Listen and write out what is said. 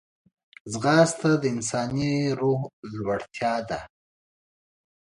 ځغاسته د انساني روح لوړتیا ده